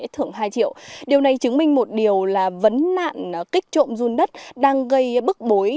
hai triệu điều này chứng minh một điều là vấn nạn kích trộm dung đất đang gây bức bối